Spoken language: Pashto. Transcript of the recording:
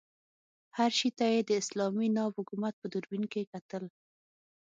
هر شي ته یې د اسلامي ناب حکومت په دوربین کې کتل.